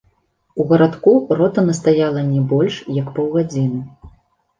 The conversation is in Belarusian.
У гарадку рота настаяла не больш, як паўгадзіны.